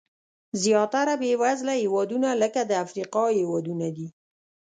زیاتره بېوزله هېوادونه لکه د افریقا هېوادونه دي.